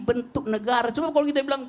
bentuk negara cuma kalau kita bilang